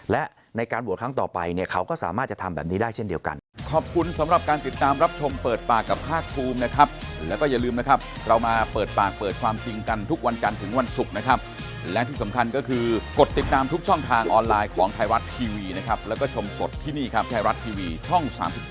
และในการโหวตครั้งต่อไปเนี่ยเขาก็สามารถจะทำแบบนี้ได้เช่นเดียวกัน